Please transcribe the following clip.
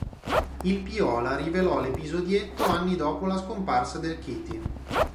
Il Piola rivelò l'episodietto anni dopo la scomparsa del Chiti.